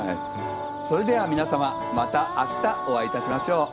それでは皆様また明日お会いいたしましょう。